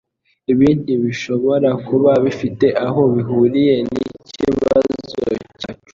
Ibi ntibishobora kuba bifite aho bihuriye nikibazo cyacu